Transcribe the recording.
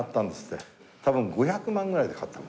多分５００万ぐらいで買った。